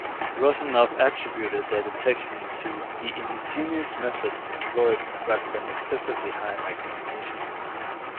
Rosenow attributed their detection to "the ingenious methods employed rather than excessively high magnification".